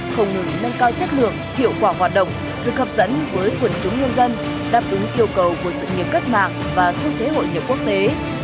không ngừng nâng cao chất lượng hiệu quả hoạt động sự hợp dẫn với quân chúng nhân dân đáp ứng yêu cầu của sự nghiêm cất mạng và suốt thế hội nhập quốc tế